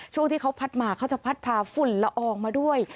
ช่วงที่เขาพัดมาเขาจะพัดพาฝุ่นละอองมาด้วย